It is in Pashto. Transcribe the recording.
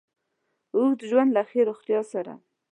اوږد ژوند له له ښې روغتیا سره